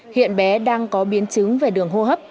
hiện bé đang có biến chứng về đường hô hấp